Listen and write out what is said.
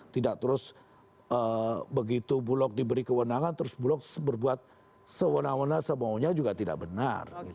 tidak terus begitu bulog diberi kewenangan terus bulog berbuat sewenang wena sebaunya juga tidak benar